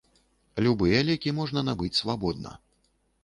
Любыя лекі можна набыць свабодна.